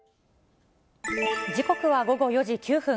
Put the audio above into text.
時刻は午後４時９分。